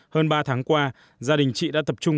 hơn ba tháng qua gia đình chị đã tập trung